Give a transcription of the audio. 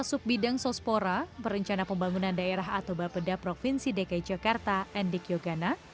pasuk bidang sospora perencana pembangunan daerah atau bapedah provinsi dki jakarta endikyogana